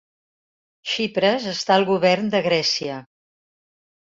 Tsipras està al govern de Grècia